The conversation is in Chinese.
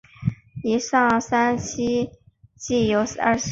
以上三期计有三十二章。